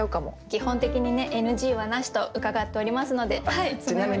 基本的にねＮＧはなしと伺っておりますので。